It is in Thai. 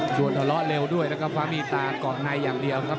ชวนทะเลาะเร็วด้วยนะครับฟ้ามีตาเกาะในอย่างเดียวครับ